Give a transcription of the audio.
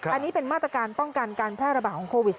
อันนี้เป็นมาตรการป้องกันการแพร่ระบาดของโควิด๑